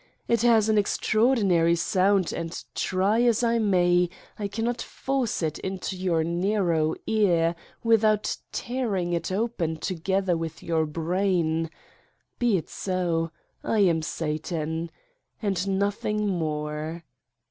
It has an extraordinary sound and try as I may I cannot force it into your narrow ear without tearing it open together with your brain : Be it so I am Satan. And nothing more.